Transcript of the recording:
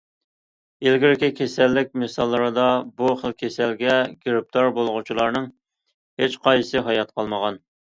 ئىلگىرىكى كېسەللىك مىساللىرىدا، بۇ خىل كېسەلگە گىرىپتار بولغۇچىلارنىڭ ھېچقايسىسى ھايات قالمىغان.